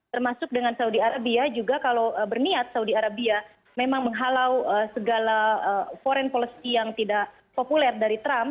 termasuk dengan saudi arabia juga kalau berniat saudi arabia memang menghalau segala foreign policy yang tidak populer dari trump